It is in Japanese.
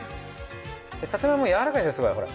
でさつまいも柔らかいでしょすごいほら。